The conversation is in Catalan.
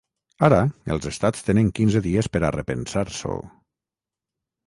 Ara els estats tenen quinze dies per a repensar-s’ho.